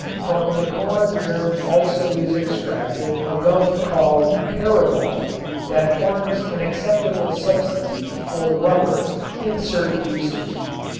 From the corn germ also is extracted a gum called "paragol" that forms an acceptable substitute for rubber in certain uses.